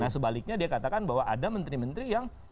nah sebaliknya dia katakan bahwa ada menteri menteri yang